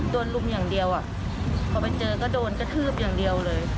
ลุมอย่างเดียวอ่ะพอไปเจอก็โดนกระทืบอย่างเดียวเลย